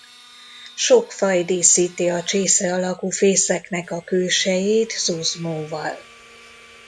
Sok faj díszíti a csésze alakú fészeknek a külsejét zuzmóval.